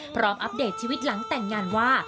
อัปเดตชีวิตหลังแต่งงานว่า